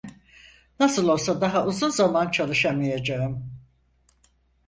Nasıl olsa daha uzun zaman çalışamayacağım.